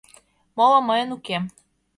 Моло мыйын уке.